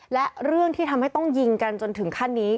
และเรื่องที่ทำให้ต้องยิงกันจนถึงขั้นนี้